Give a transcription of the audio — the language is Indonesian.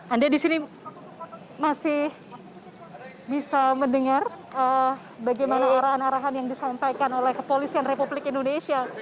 anda di sini masih bisa mendengar bagaimana arahan arahan yang disampaikan oleh kepolisian republik indonesia